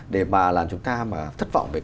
để mà làm chúng ta thất vọng về